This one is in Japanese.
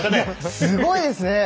すごいですね。